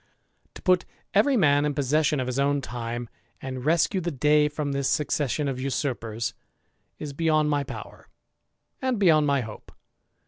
put every man in possession of his own time, and e the day from this succession of usurpers, is beyond ower, and beyond my hope.